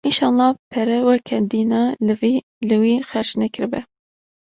Înşallah pere weka dîna li vî li wî xerc nekiribe!’’